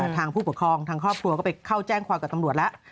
ทางผู้ปกครองทางครอบครัวก็ไปเข้าแจ้งความกับตำรวจแล้ว